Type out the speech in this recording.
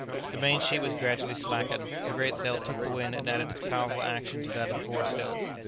The main sheet was gradually slackened, the great sail took the wind and added its powerful action to that of the fore sails.